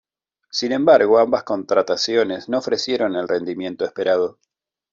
Sin embargo, ambas contrataciones no ofrecieron el rendimiento esperado.